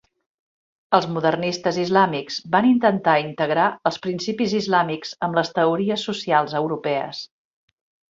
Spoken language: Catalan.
Els modernistes islàmics van intentar integrar els principis islàmics amb les teories socials europees.